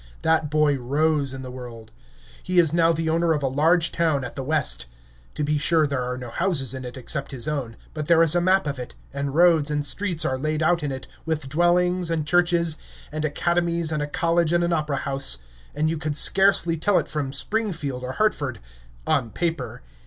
That boy rose in the world. He is now the owner of a large town at the West. To be sure, there are no houses in it except his own; but there is a map of it, and roads and streets are laid out on it, with dwellings and churches and academies and a college and an opera house, and you could scarcely tell it from Springfield or Hartford, on paper.